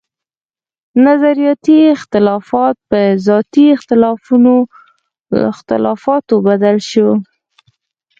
نظرياتي اختلافات پۀ ذاتي اختلافاتو بدل شو